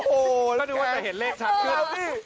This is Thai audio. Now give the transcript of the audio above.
ก็ดูว่าจะเห็นเลขชัดก็ได้